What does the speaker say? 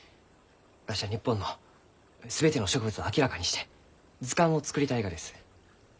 わしは日本の全ての植物を明らかにして図鑑を作りたいがです。